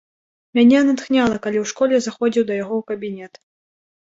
Мяне натхняла, калі ў школе заходзіў да яго ў кабінет.